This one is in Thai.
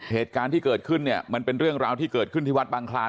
เหตุการณ์ที่เกิดขึ้นเนี่ยมันเป็นเรื่องราวที่เกิดขึ้นที่วัดบางคลาน